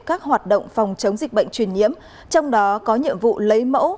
các hoạt động phòng chống dịch bệnh truyền nhiễm trong đó có nhiệm vụ lấy mẫu